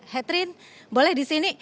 catherine boleh di sini